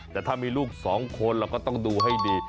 แต่ถ้ามีลูก๒คนเราก็ต้องดูให้ดี